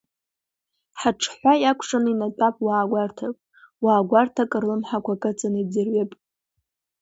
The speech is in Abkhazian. Ҳаҽҳәа иакәшаны инатәап уаа гәарҭак, уаа гәарҭак рлымҳақәа кыдҵан иӡырҩып.